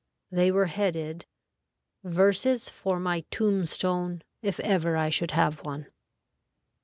They were headed "VERSES FOR MY TOMB STONE, IF EVER I SHOULD HAVE ONE.